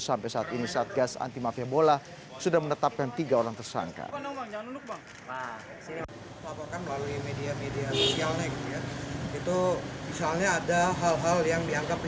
sampai saat ini satgas anti mafia bola sudah menetapkan tiga orang tersangka